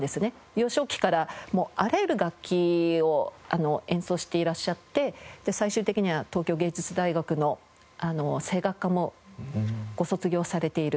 幼少期からあらゆる楽器を演奏していらっしゃって最終的には東京藝術大学の声楽科もご卒業されている。